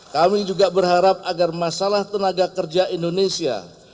kami juga berharap agar masalah tenaga kerja indonesia